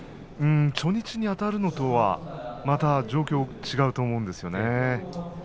初日にあたるのとはまた状況も違うと思うんですよね。